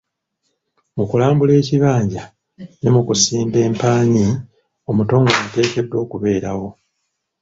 Mu kulambula ekibanja ne mu kusimba empaanyi omutongole ateekeddwa okubeerawo.